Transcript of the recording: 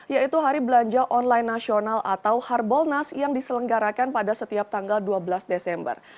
yaitu hari belanja online nasional atau harbolnas yang diselenggarakan pada setiap tanggal dua belas desember